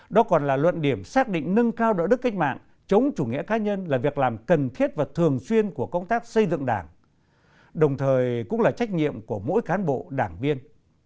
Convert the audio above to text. đó còn là luận điểm xác định nâng cao đạo đức cách mạng chống chủ nghĩa cá nhân là việc làm cần thiết và thường xuyên của công tác xây dựng đảng đồng thời cũng là trách nhiệm của mỗi cán bộ đảng viên